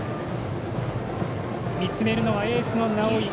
見つめるのはエースの直江。